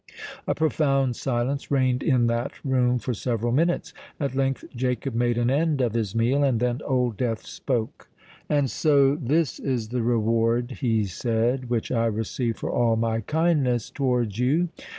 A profound silence reigned in that room for several minutes. At length Jacob made an end of his meal; and then Old Death spoke. "And so this is the reward," he said, "which I receive for all my kindness towards you.